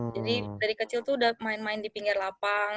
jadi dari kecil tuh udah main main di pinggir lapang